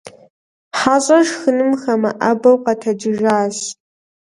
Хьэщӏэр шхыным хэмыӀэбэу къэтэджыжащ.